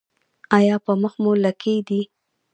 ایا په مخ مو لکې دي؟